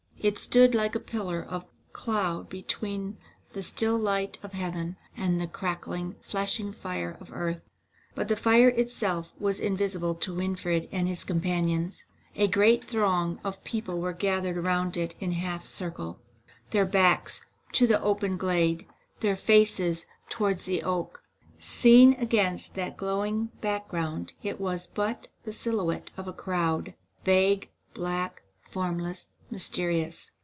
It stood like a pillar of cloud between the still light of heaven and the crackling, flashing fire of earth. But the fire itself was invisible to Winfried and his companions. A great throng of people were gathered around it in a half circle, their backs to the open glade, their faces towards the oak. Seen against that glowing background, it was but the silhouette of a crowd, vague, black, formless, mysterious.